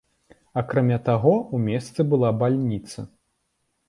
Акрамя таго, у месце была бальніца.